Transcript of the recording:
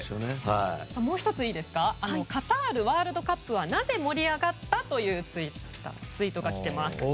もう１つカタールワールドカップはなぜ盛り上がった？というツイートが来ています。